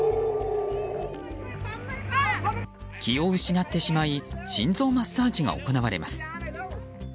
気を失ってしまい心臓マッサージが行われます。